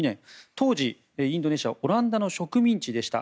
当時、インドネシアはオランダの植民地でした。